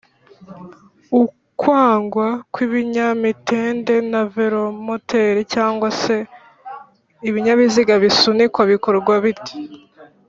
ukwangwa kw’ibinyamitende na velomoteri cg se Ibinyabiziga bisunikwa bikorwa bite?